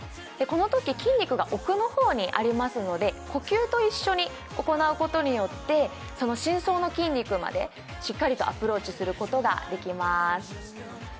このとき、筋肉が奥の方にありますので呼吸と一緒に行うことによってその深層の筋肉までしっかりとアプローチすることができます。